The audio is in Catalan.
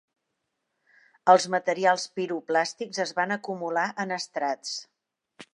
Els materials piroclàstics es van acumular en estrats.